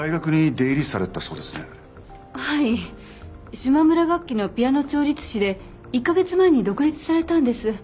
島村楽器のピアノ調律師で１カ月前に独立されたんです。